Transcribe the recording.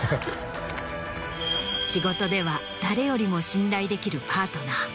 仕事では誰よりも信頼できるパートナー。